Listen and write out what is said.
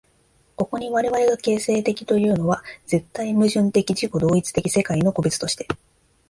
ここに我々が形成的というのは、絶対矛盾的自己同一的世界の個物として、